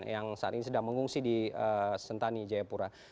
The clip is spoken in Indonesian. yang saat ini sedang mengungsi di sentani jayapura